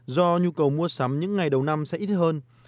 do nhu cầu mua sắm những ngày đầu năm sẽ ít hơn